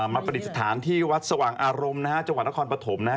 ประดิษฐานที่วัดสว่างอารมณ์นะฮะจังหวัดนครปฐมนะฮะ